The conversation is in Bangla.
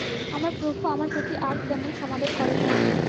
আমার প্রভু আমার প্রতি আর তেমন সমাদর করেন না।